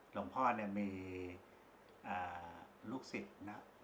หลวงพ่อเนี่ยมีลูกศิษย์นะ